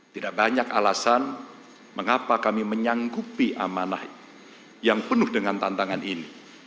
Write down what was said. tidak banyak alasan mengapa kami menyanggupi amanah yang penuh dengan tantangan ini